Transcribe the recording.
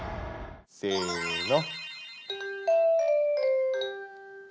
せの。